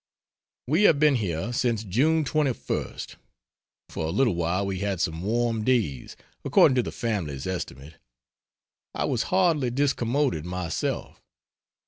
We have been here since June 21st. For a little while we had some warm days according to the family's estimate; I was hardly discommoded myself.